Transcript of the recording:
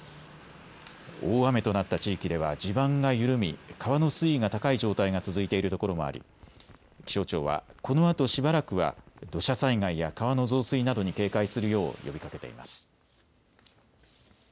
大雨となった地域では地盤が緩み川の水位が高い状態が続いているところもあり、気象庁はこのあとしばらくは土砂災害や川の増水などに警戒するよう呼びかけています。